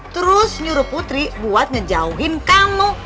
terus nyuruh putri buat ngejauhin kamu